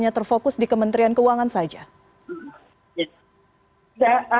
mbak dewi savitri untuk memotret ada isu lain yang lebih besar dan itu adalah